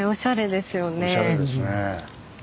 おしゃれですね。